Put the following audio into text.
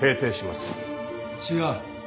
違う。